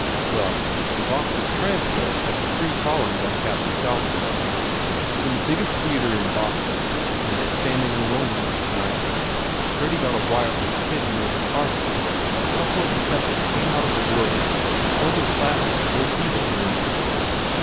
Well, the Boston Transcript had three columns on Captain Salvador. It s in the biggest theatre in Boston and they had standing room only last night. Gurdy got a wire from a 237 THE FAIR REWARDS kid he knows in Harvard that a couple of profes sors came out of the woods and told their classes to go see the thing."